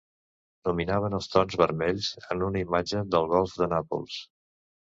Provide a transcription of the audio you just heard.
Dominaven els tons vermells en una imatge del golf de Nàpols...